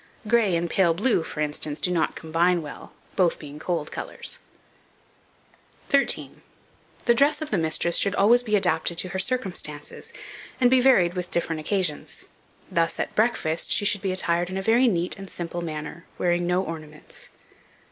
Gray and pale blue, for instance, do not combine well, both being cold colours. 13. THE DRESS OF THE MISTRESS should always be adapted to her circumstances, and be varied with different occasions. Thus, at breakfast she should be attired in a very neat and simple manner, wearing no ornaments.